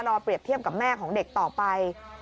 เปรียบเทียบกับแม่ของเด็กต่อไป